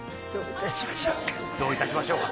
どういたしましょうか。